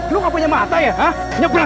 tapi ibu tuh sama sama